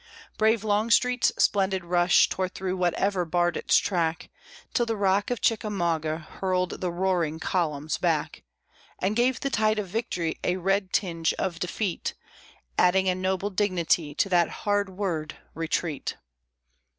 Brave Longstreet's splendid rush tore through whatever barred its track, Till the Rock of Chickamauga hurled the roaring columns back, And gave the tide of victory a red tinge of defeat, Adding a noble dignity to that hard word, retreat.